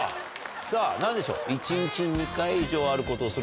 さぁ何でしょう。